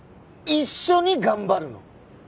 一緒に頑張るの！